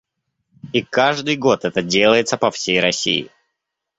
И каждый год это делается по всей России.